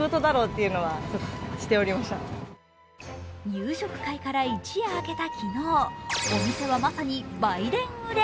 夕食会から一夜明けた昨日、お店はまさにバイデン売れ。